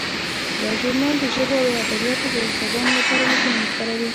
دا ژورنال د ژبو او ادبیاتو د استادانو لپاره لیکنې خپروي.